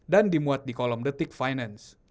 dan dimuat di kolom the tick finance